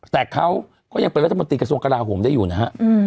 แต่เขาก็ยังเป็นรัฐมนตรีกระทรวงกราโหมได้อยู่นะฮะ